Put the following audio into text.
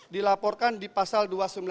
dilaporkan di pasal